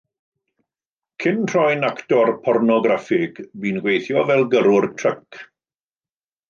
Cyn troi'n actor pornograffig, bu'n gweithio fel gyrrwr tryc.